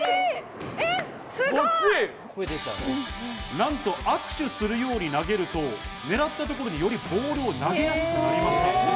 なんと握手するように投げるとねらった所に、よりボールを投げやすくなりました。